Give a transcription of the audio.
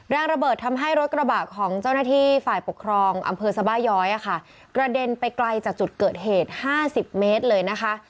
ระเบิดทำให้รถกระบะของเจ้าหน้าที่ฝ่ายปกครองอำเภอสบาย้อยกระเด็นไปไกลจากจุดเกิดเหตุ๕๐เมตรเลยนะคะ